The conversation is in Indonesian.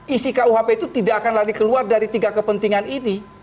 isi kuhp itu tidak akan lagi keluar dari tiga kepentingan ini